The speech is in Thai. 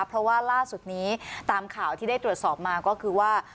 เพราะว่าล่าสุดนี้ตามข่าวที่ได้ตรวจสอบมาก็คือว่า